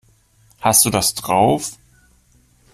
Hast du das drauf?